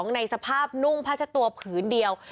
ในสภาพนุ่งผ้าเช็ดตัวผืนเดียว